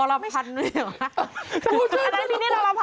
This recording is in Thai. รับแหล่งน่าคิดว่าโอรับพันธุ์เหรอวะ